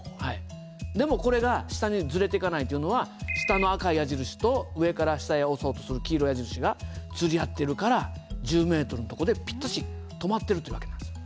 でもこれが下にずれていかないというのは下の赤い矢印と上から下へ押そうとする黄色い矢印が釣り合ってるから１０ｍのとこでぴったし止まってるという訳なんですよ。